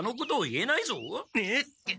えっ。